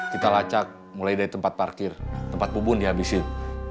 kita lacak mulai dari tempat parkir tempat bubun dihabisin